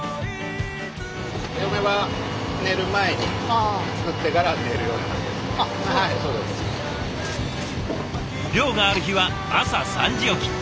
嫁は漁がある日は朝３時起き。